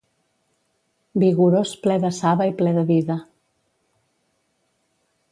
Vigorós ple de saba i ple de vida